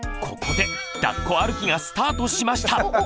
ここでだっこ歩きがスタートしました！